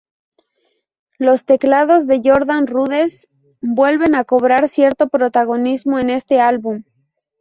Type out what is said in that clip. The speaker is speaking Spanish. Los teclados de Jordan Rudess vuelven a cobrar cierto protagonismo en este álbum.